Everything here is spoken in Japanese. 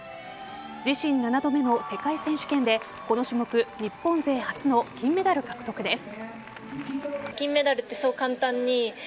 自身７度目の世界選手権でこの種目日本勢初の金メダル獲得です。